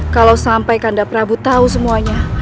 kalau sampai kanda prabu tahu semuanya